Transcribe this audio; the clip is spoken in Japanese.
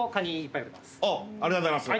ありがとうございます。